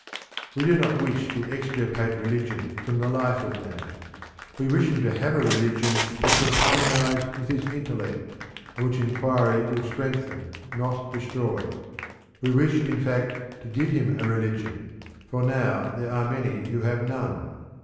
We do not wish to extirpate religion from the life of man; we wish him to have a religion which will harmonise with his intellect, and which inquiry will strengthen, not destroy. We wish, in fact, to give him a religion, for now there are many who have none.